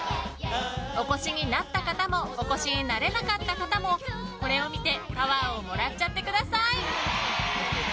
お越しになった方もお越しになれなかった方もこれを見てパワーをもらっちゃってください。